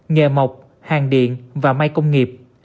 nghề mộc hàng điện và may công nghiệp